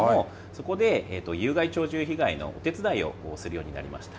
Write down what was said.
そこで、有害鳥獣被害のお手伝いをするようになりました。